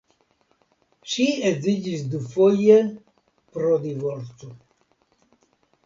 Ŝi edziĝis dufoje pro divorco.